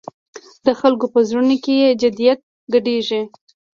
د خلکو په زړونو کې جدیت ګډېږي.